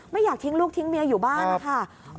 อยากทิ้งลูกทิ้งเมียอยู่บ้านนะคะ